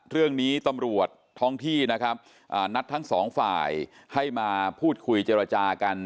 เรื่องนี้ตำรวจท้องที่นะครับนัดทั้งสองฝ่ายให้มาพูดคุยเจรจากัน